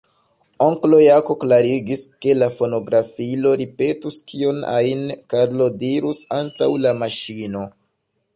Onklo Jako klarigis, ke la fonografilo ripetus kion ajn Karlo dirus antaŭ la maŝino.